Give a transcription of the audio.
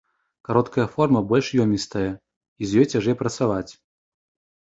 Кароткая форма больш ёмістая, і з ёй цяжэй працаваць.